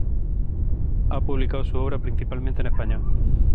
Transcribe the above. Ha publicado su obra principalmente en español.